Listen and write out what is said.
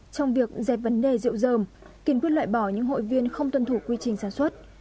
trong việc dẹp vấn đề rượu dờm kiên quyết loại bỏ những hội viên không tuân thủ quy trình sản xuất